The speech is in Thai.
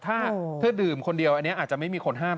ถ้าเธอดื่มคนเดียวอันนี้อาจจะไม่มีคนห้าม